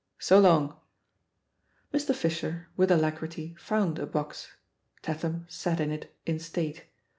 So longl" Mr. Fischer, with alacrity, found a box; Tat ham sat in it in state.